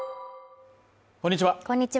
こんにちは